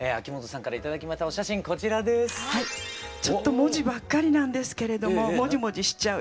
ちょっと文字ばっかりなんですけれどももじもじしちゃう。